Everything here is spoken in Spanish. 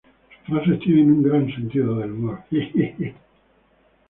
Sus frases tienen un gran sentido del humor.